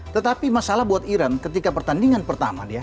tetapi masalah buat iran ketika pertandingan pertama dia